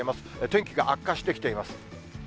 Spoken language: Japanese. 天気が悪化してきています。